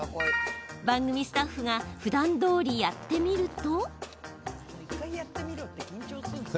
番組スタッフがふだんどおりやってみると。